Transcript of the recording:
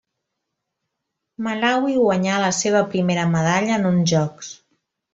Malawi guanyà la seva primera medalla en uns Jocs.